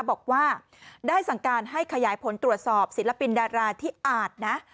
บอกว่าได้สั่งการให้ขยายผลตรวจสอบศิลปินดาราที่อาจนะ